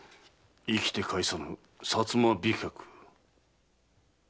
生きて帰さぬ「薩摩飛脚」。